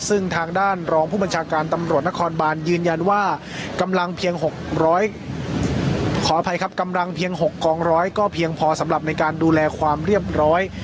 ซึ่งทางด้านรองผู้บัญชาการตำรวจนครบานยืนยันว่ากำลังเพียงขออภัยครับกำลังเพียง๖กองร้อยก็เพียงพอสำหรับในการดูแลความเรียบร้อย